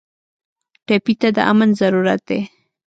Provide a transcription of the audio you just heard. ټپي ته د امن ضرورت دی.